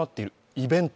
イベント